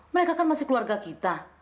mereka kan masih keluarga kita